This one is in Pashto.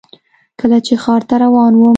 کله چې ښار ته روان وم .